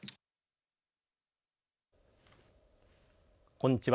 こんにちは。